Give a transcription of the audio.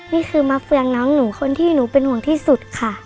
นี่คือมาเฟืองน้องหนูคนที่หนูเป็นห่วงที่สุดค่ะ